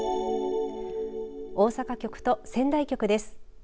大阪局と仙台局です。